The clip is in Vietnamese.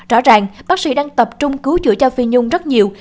rõ ràng bác sĩ đang tập trung cứu chữa cho phi nhung rất nhiều